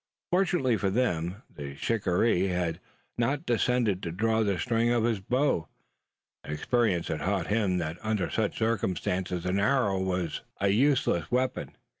Fortunately for them, the shikaree had not condescended to draw the string of his bow. Experience had taught him that under such circumstances an arrow was an useless weapon.